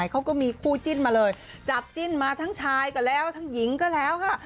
เขาก็มีคู่จิ้นมาเลยจับจิ้นมาทั้งชายก็แล้วทั้งหญิงก็แล้วค่ะ